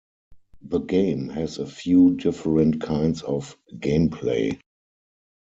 The game has a few different kinds of gameplay.